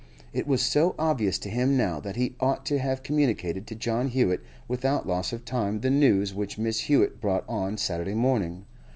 It was so obvious to him now that he ought to have communicated to John Hewett without loss of time the news which Mrs. Hewett brought on Saturday morning.